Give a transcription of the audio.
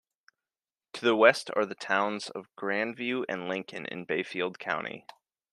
To the west are the towns of Grandview and Lincoln in Bayfield County.